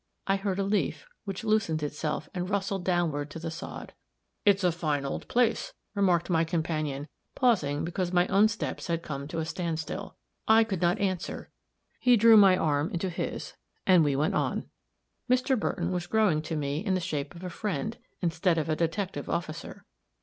I heard a leaf, which loosened itself and rustled downward to the sod. "It is a fine old place," remarked my companion, pausing because my own steps had come to a standstill. I could not answer; he drew my arm into his, and we went on. Mr. Burton was growing to me in the shape of a friend, instead of a detective officer.